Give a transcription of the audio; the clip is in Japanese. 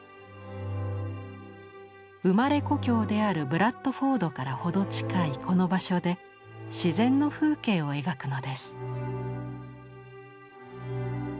生まれ故郷であるブラッドフォードから程近いこの場所で自然の風景を描くのです。